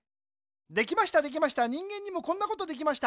できましたできました人間にもこんなことできました。